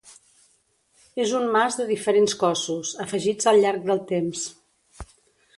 És un mas de diferents cossos, afegits al llarg del temps.